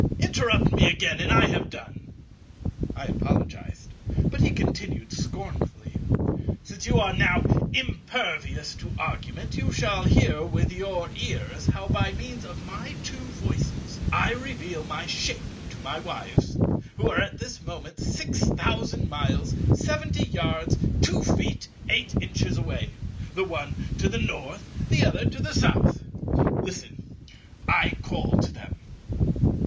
Interrupt me again, and I have done." I apologized; but he continued scornfully, "Since you are impervious to argument, you shall hear with your ears how by means of my two voices I reveal my shape to my Wives, who are at this moment six thousand miles seventy yards two feet eight inches away, the one to the North, the other to the South. Listen, I call to them."